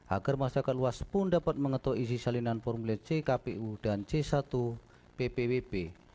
agar masyarakat luas pun dapat mengetuk isi salinan formula ckpu dan c satu ppwp